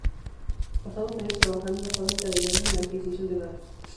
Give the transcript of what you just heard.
Pasó dos años trabajando en la fábrica de Jordan en la adquisición de datos.